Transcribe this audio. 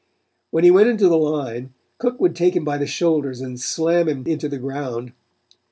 When he went into the line, Cook would take him by the shoulders and slam him into the ground.